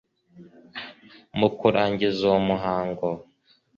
mu kurangiza uwo muhango